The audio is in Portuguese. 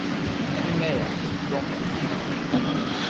Crimeia, Donbass